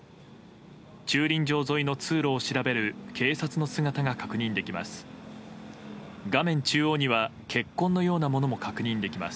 駐輪場沿いの通路を調べる警察の姿が確認できます。